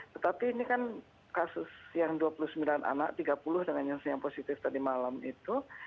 tetapi ini kan kasus yang dua puluh sembilan anak tiga puluh dengan yang positif tadi malam itu